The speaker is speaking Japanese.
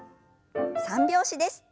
三拍子です。